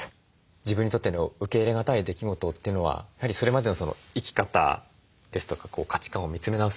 自分にとっての受け入れがたい出来事というのはやはりそれまでの生き方ですとか価値観を見つめ直す